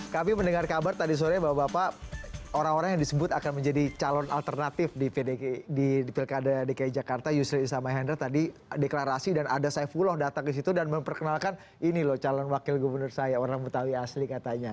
kami mendengar kabar tadi sore bahwa bapak orang orang yang disebut akan menjadi calon alternatif di pilkada dki jakarta yusril isamahendra tadi deklarasi dan ada saifullah datang ke situ dan memperkenalkan ini loh calon wakil gubernur saya orang betawi asli katanya